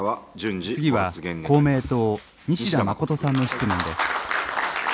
次は公明党、西田実仁さんの質疑です。